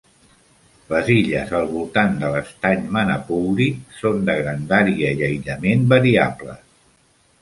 Les illes al voltant de l'estany Manapouri són de grandària i aïllament variables.